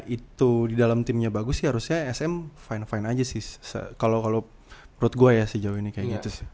itu di dalam timnya bagus sih harusnya sm fine fine aja sih kalau menurut gue ya sejauh ini kayak gitu sih